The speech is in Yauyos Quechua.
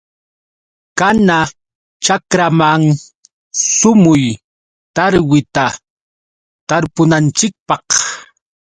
Kana chakraman sumuy. Tarwita tarpunanchikpaq.